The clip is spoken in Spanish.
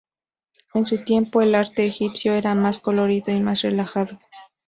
En su tiempo el arte egipcio era más colorido y más relajado.